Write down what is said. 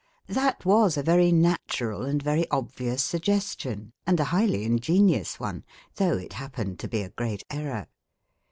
That was a very natural and very obvious suggestion, and a highly ingenious one, though it happened to be a great error.